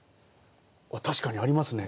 確かにありますね。